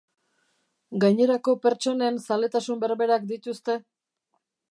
Gainerako pertsonen zaletasun berberak dituzte?